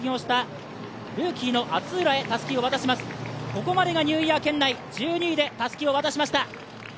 ここまでがニューイヤー圏内、１２位でたすきを渡しました。